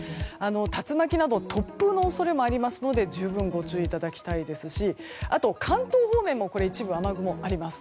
竜巻など突風の恐れもありますので十分ご注意いただきたいですしあと、関東方面も一部雨雲があります。